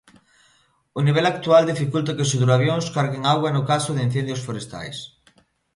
O nivel actual dificulta que os hidroavións carguen auga no caso de incendios forestais.